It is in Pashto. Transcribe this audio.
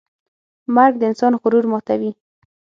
مرګ د انسان غرور ماتوي.